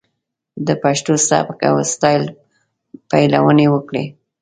د پښتو سبک و سټايل پليوني وکړي.